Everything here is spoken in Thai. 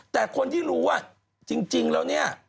แต่คนที่รู้ว่าจริงแล้วเนี่ย